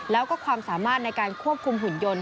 แล้วก็ความสามารถในการควบคุมหุ่นยนต์